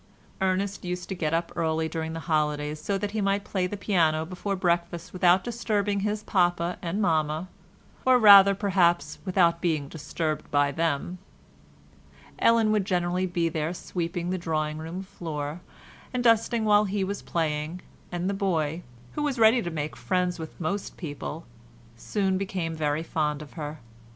Ernest used to get up early during the holidays so that he might play the piano before breakfast without disturbing his papa and mamma—or rather, perhaps, without being disturbed by them. Ellen would generally be there sweeping the drawing room floor and dusting while he was playing, and the boy, who was ready to make friends with most people, soon became very fond of her.